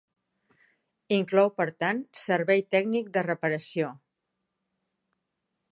Inclou per tant servei tècnic de reparació.